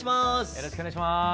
よろしくお願いします。